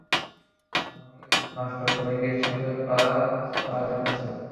ভবানী, ওই মাস্টার সবাইকে সাপের পাঁচ পা দেখাচ্ছে।